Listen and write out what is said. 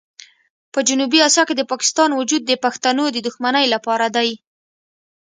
په جنوبي اسیا کې د پاکستان وجود د پښتنو د دښمنۍ لپاره دی.